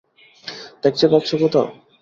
দেখতে পাচ্ছো কোথাও?